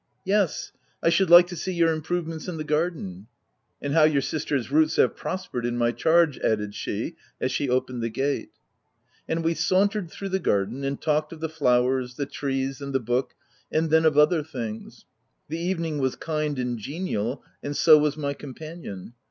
182 THE TENANT " Yes ; I should like to see your improve ments in the garden." " And how your sister's roots have prospered in my charge/ 5 added she, as she opened the gate. And we sauntered through the garden, and talked of the flowers, the trees, and the book, — and then of other things. The evening was kind and genial, and so was my companion.